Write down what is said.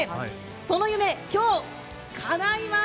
その夢、今日、かないます！